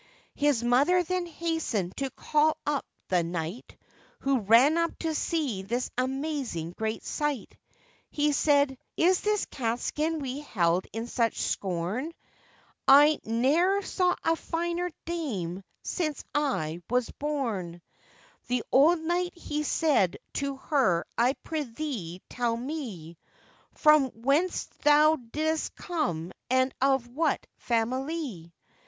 His mother then hastened to call up the knight, Who ran up to see this amazing great sight; He said, 'Is this Catskin we held in such scorn? I ne'er saw a finer dame since I was born.' The old knight he said to her, 'I prithee tell me, From whence thou didst come and of what family?